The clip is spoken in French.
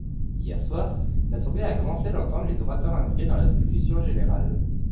Hier soir, l’Assemblée a commencé d’entendre les orateurs inscrits dans la discussion générale.